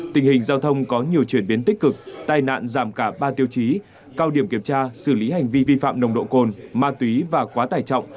tình hình giao thông có nhiều chuyển biến tích cực tai nạn giảm cả ba tiêu chí cao điểm kiểm tra xử lý hành vi vi phạm nồng độ cồn ma túy và quá tải trọng